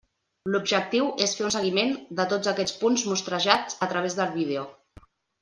L'objectiu és fer un seguiment de tots aquests punts mostrejats a través del vídeo.